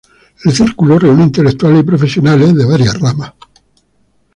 El Círculo reúne intelectuales y profesionales de varias ramas.